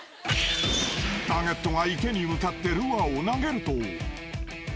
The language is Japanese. ［ターゲットが池に向かってルアーを投げると］